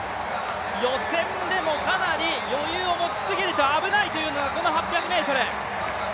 予選でもかなり余裕を持ちすぎると危ないというのが、この８００ｍ。